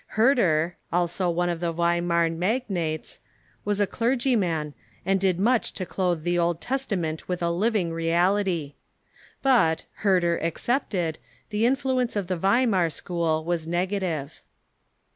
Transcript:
Herder, also one of the Weimar magnates, was a clergyman, and did much to clothe the Old Testament with a living reality. But, Herder excepted, the influence of the Weimar school was negative.